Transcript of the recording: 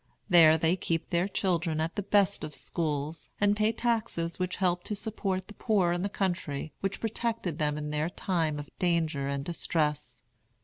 There they keep their children at the best of schools, and pay taxes which help to support the poor in the country which protected them in their time of danger and distress.